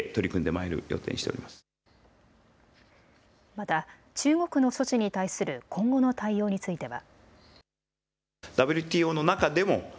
また中国の措置に対する今後の対応については。